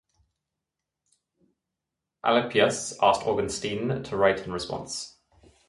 Alypius asked Augustine to write in response.